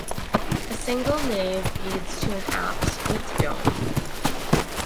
A single nave leads to an apse with dome.